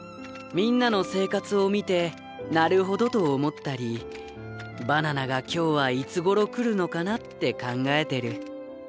みんなの生活を見てなるほどと思ったりバナナが今日はいつごろ来るのかなって考えてる。